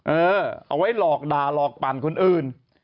เอาไว้หลอกด่าหลอกปั่นคนอื่น